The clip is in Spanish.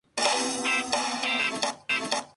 Se nutre de invertebrados y peces pelágicos.